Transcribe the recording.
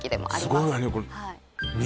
すごいわね